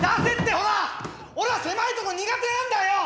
俺は狭いとこ苦手なんだよ！